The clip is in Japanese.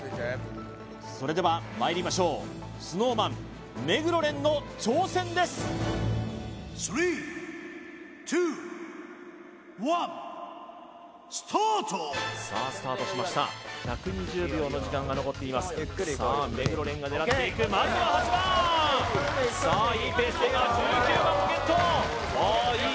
それではまいりましょうＳｎｏｗＭａｎ目黒蓮の挑戦ですさあスタートしました１２０秒の時間が残っていますさあ目黒蓮が狙っていくまずは８番さあいいペースで１９番もゲットああいい